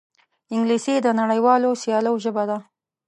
انګلیسي د نړیوالو سیالیو ژبه ده